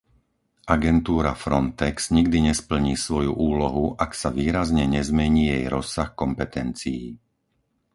Agentúra Frontex nikdy nesplní svoju úlohu, ak sa výrazne nezmení jej rozsah kompetencií.